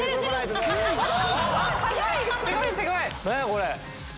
これ。